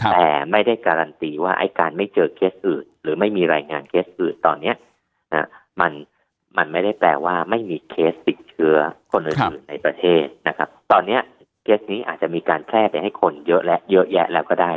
แต่ไม่ได้การันตีว่าไอ้การไม่เจอเคสอื่นหรือไม่มีรายงานเคสอื่นตอนนี้มันไม่ได้แปลว่าไม่มีเคสติดเชื้อคนอื่นในประเทศนะครับตอนนี้เคสนี้อาจจะมีการแพร่ไปให้คนเยอะและเยอะแยะแล้วก็ได้